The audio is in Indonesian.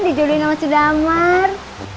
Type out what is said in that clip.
dijodohin sama si damar